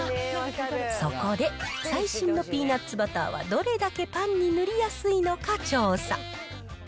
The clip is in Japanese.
そこで、最新のピーナッツバターはどれだけパンに塗りやすいのか調査。